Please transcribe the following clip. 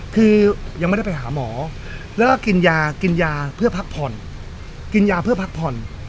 คือยังไม่ได้ไปหาหมอแล้วก็กินยากินยาเพื่อพักผ่อน